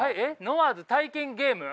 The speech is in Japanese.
ノワーズ体験ゲーム？